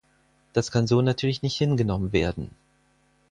Das kann so natürlich nicht hingenommen werden.